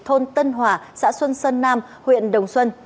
thôn tân hòa xã xuân sơn nam huyện đồng xuân